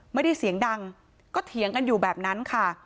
ไม่ได้เสียงดังก็เถียงกันอยู่แบบนั้นค่ะ